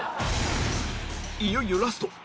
いよいよラスト